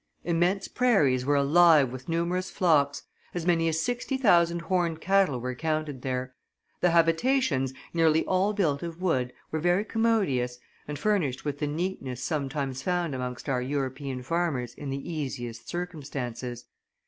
Immense prairies were alive with numerous flocks; as many as sixty thousand horned cattle were counted there. The habitations, nearly all built of wood, were very commodious, and furnished with the neatness sometimes found amongst our European farmers in the easiest circumstances.